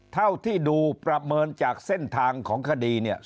เท่าที่ดูประเมินจากเส้นทางของคดีเนี่ย